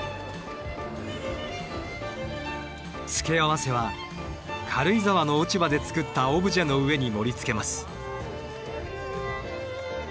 付け合わせは軽井沢の落ち葉で作ったオブジェの上に盛りつけます。